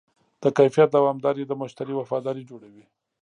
د کیفیت دوامداري د مشتری وفاداري جوړوي.